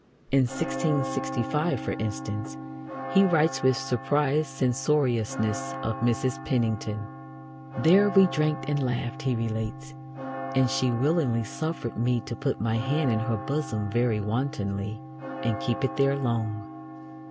In 1665, for instance, he writes with surprised censoriousness of Mrs. Penington: There we drank and laughed [he relates], and she willingly suffered me to put my hand in her bosom very wantonly, and keep it there long.